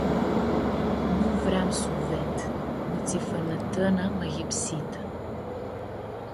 Nu vream su ved nitsi fãnãtãna mãyipsitã.